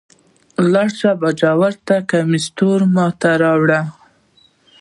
لاړ شه باجوړ ته کمیس تور ما ته راوړئ.